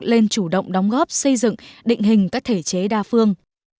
lên chủ động đóng góp xây dựng định hình các thể chế đa phương